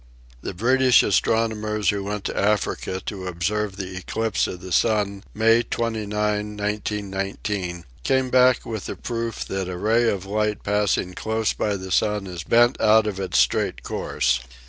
The British astrono mers who went to Africa to observe the eclipse of the sun May 29, 1919, came back with the proof that a ray of light passing close by the sun is bent out of its straight course.